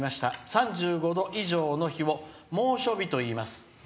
３５度以上の日を猛暑日といいます」。